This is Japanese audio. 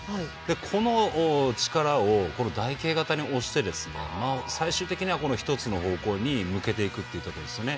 この力を、台形型に押して最終的に１つの方向に向けていくということですよね。